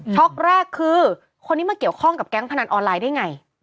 อกแรกคือคนนี้มาเกี่ยวข้องกับแก๊งพนันออนไลน์ได้ไง